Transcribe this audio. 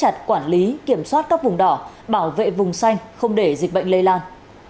chặt quản lý kiểm soát các vùng đỏ bảo vệ vùng xanh không để dịch bệnh lây lan